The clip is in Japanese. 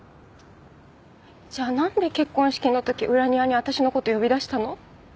じゃあなんで結婚式の時裏庭に私の事呼び出したの？